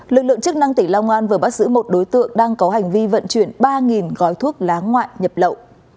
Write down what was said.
lực lượng chức năng tỉnh long an vừa bắt giữ một đối tượng đang có hành vi vận chuyển ba gói thuốc lá ngoại nhập lậu